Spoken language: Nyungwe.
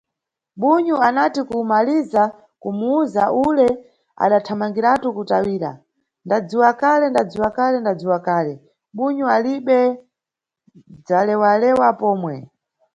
Bunyu anati kumaliza kumuwuza ule adathamangiratu kutawira: Ndadziwakale, ndadziwakale, ndadziwakale, bunyu alibe dzalewalewa pomwe.